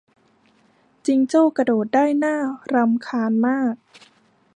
จิงโจ้กระโดดได้น่ารำคาญมาก